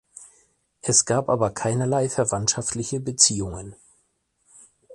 Es gab aber keinerlei verwandtschaftliche Beziehungen.